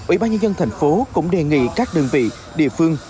ủy ban nhân dân thành phố cũng đề nghị các đơn vị địa phương